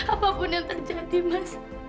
apapun yang terjadi mas